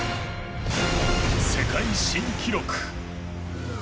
世界新記録。